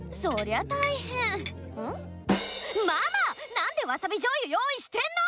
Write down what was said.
なんでわさびじょうゆ用意してんの！